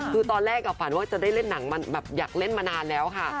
คือตอนแรกฝันว่าจะได้เล่นหนังแบบอยากเล่นมานานแล้วค่ะ